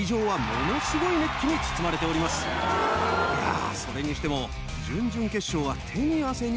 いやそれにしても。